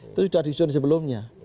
itu sudah disun sebelumnya